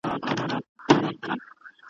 پر شنه ګودر په سره پېزوان کي زنګېدلی نه یم `